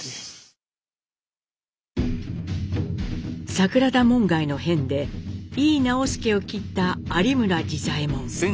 桜田門外の変で井伊直弼を斬った有村次左衛門。